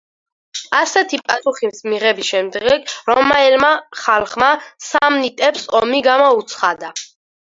ასეთი პასუხის მიღების შემდეგ რომაელმა ხალხმა სამნიტებს ომი გამოუცხადა.